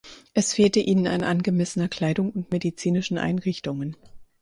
Es fehlte ihnen an angemessener Kleidung und medizinischen Einrichtungen.